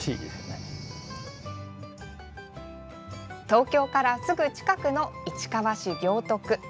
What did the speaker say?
東京からすぐ近くの市川市行徳。